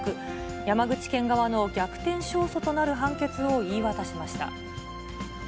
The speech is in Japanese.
山口県側の逆転勝訴となる判決を言い渡しました。